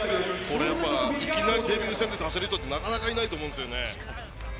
いきなりデビュー戦で出せる人ってなかなかいないと思うんですね。